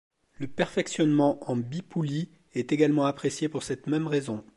Le perfectionnement en bi-poulie est également apprécié pour cette même raison.